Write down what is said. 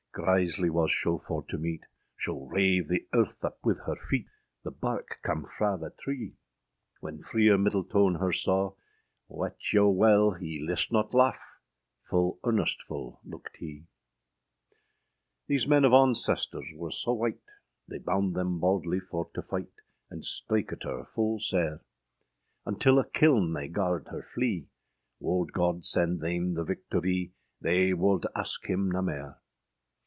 Grizely was scho for to meete, Scho rave the earthe up wyth her feete, The barke cam fraâ the tree: When Freer Myddeltone her saugh, Wete yow wele hee list not laugh, Full earnestful luikâd hee. These men of auncestors {131b} were so wight, They bound them bauldly for to fyght, And strake at her full sare; Until a kilne they garred her flee, Wolde God sende thayme the victorye, They wolde aske hym na maire.